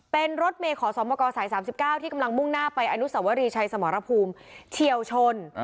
เป็นรถเมย์ขอสมกสาย๓๙ที่กำลังมุ่งหน้าไปอนุสวรีชัยสมรภูมิเฉียวชน